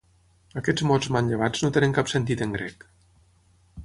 Aquests mots manllevats no tenen cap sentit en grec.